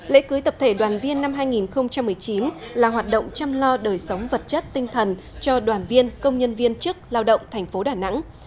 lễ cưới tập thể đoàn viên năm hai nghìn một mươi chín là hoạt động chăm lo đời sống vật chất tinh thần cho đoàn viên công nhân viên chức lao động thành phố đà nẵng